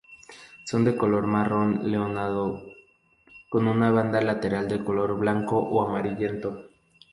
Son de color marrón leonado, con una banda lateral de color blanco o amarillento.